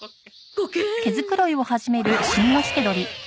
コケーッ！